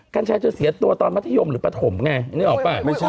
การใช้เศียร์ตัวตอนมัธยมหรือประถมไงนึกออกปะ